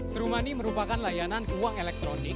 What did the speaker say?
true money merupakan layanan uang elektronik